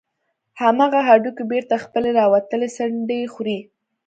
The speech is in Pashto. همغه هډوکى بېرته خپلې راوتلې څنډې خوري.